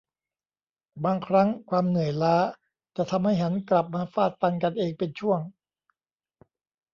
บางครั้งความเหนื่อยล้าจะทำให้หันกลับมาฟาดฟันกันเองเป็นช่วง